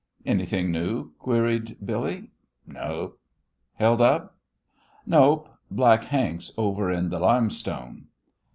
"Anything new?" queried Billy. "Nope." "Held up?" "Nope. Black Hank's over in th' limestone."